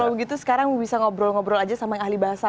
kalau begitu sekarang bisa ngobrol ngobrol aja sama yang ahli bahasa